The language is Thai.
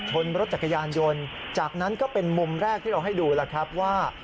ชนรถจักรยานยนต์จากนั้นก็เป็นมุมแรกที่เราให้ดูแล้วครับว่า